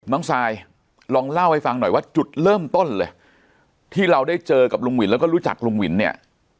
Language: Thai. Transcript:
ทรายลองเล่าให้ฟังหน่อยว่าจุดเริ่มต้นเลยที่เราได้เจอกับลุงวินแล้วก็รู้จักลุงวินเนี่ย